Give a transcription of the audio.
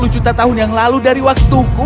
enam puluh juta tahun yang lalu dari waktu ini